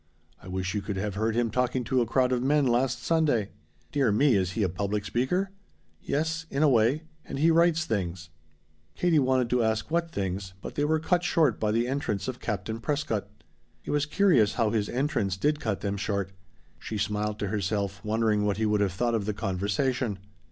"I wish you could have heard him talking to a crowd of men last Sunday." "Dear me is he a public speaker?" "Yes in a way. And he writes things." Katie wanted to ask what things, but they were cut short by the entrance of Captain Prescott. It was curious how his entrance did cut them short. She smiled to herself, wondering what he would have thought of the conversation.